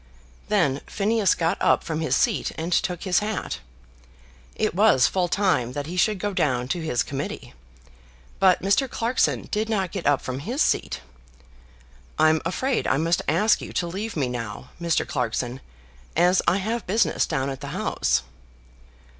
Then Phineas got up from his seat and took his hat. It was full time that he should go down to his Committee. But Mr. Clarkson did not get up from his seat. "I'm afraid I must ask you to leave me now, Mr. Clarkson, as I have business down at the House."